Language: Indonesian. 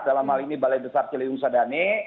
dalam hal ini balai desar ciliung sadane